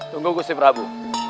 tunggu gusti prabu